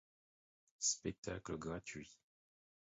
Spectacle gratuit.